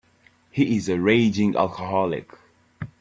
He is a raging alcoholic.